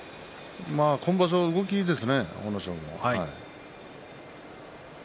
今場所、動きがいいですね阿武咲。